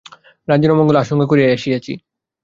রাজ্যের অমঙ্গল আশঙ্কা করিয়াই আসিয়াছি।